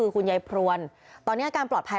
ครับ